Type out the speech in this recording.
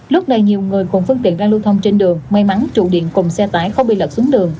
lúc này nhiều người cùng phương tiện đang lưu thông trên đường may mắn trụ điện cùng xe tải không bị lật xuống đường